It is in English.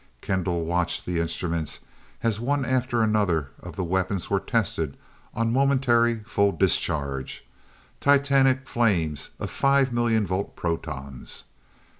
Kendall watched the instruments as one after another of the weapons were tested on momentary full discharge titanic flames of five million volt protons.